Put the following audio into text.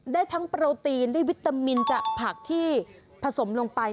ได้ทั้งโปรตีนได้วิตามินจากผักที่ผสมลงไป